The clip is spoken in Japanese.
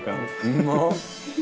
うまっ。